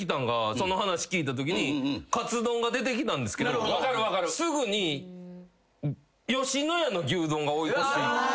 その話聞いたときにカツ丼が出てきたんですけどすぐに野家の牛丼が追い越していった。